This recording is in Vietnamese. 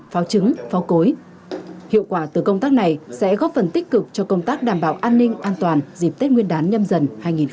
pháo trứng pháo cối hiệu quả từ công tác này sẽ góp phần tích cực cho công tác đảm bảo an ninh an toàn dịp tết nguyên đán nhâm dần hai nghìn hai mươi bốn